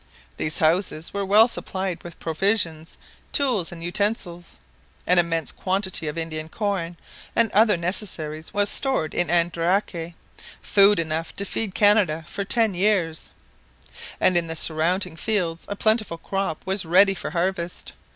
These houses were well supplied with provisions, tools, and utensils. An immense quantity of Indian corn and other necessaries was stored in Andaraque 'food enough to feed Canada for ten years' and in the surrounding fields a plentiful crop was ready for harvest.